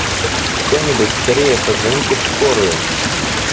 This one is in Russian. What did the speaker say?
Кто-нибудь, скорее позвоните в скорую!